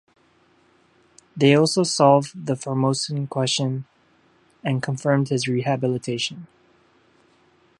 They also solved the Formosan question and confirmed his rehabilitation.